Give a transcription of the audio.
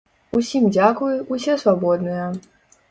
Усім дзякуй, усе свабодныя.